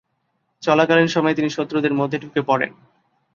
চলাকালীন সময়ে তিনি শত্রুদের মধ্যে ঢুকে পড়েন।